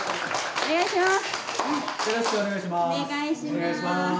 お願いします。